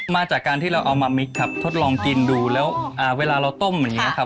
มาจากการที่เราเอามามิกครับทดลองกินดูแล้วเวลาเราต้มอย่างนี้ครับ